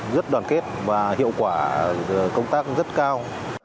rất đoàn kết và hiệu quả công tác rất cao